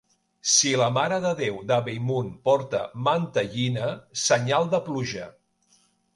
Si la Mare de Déu de Bellmunt porta mantellina, senyal de pluja.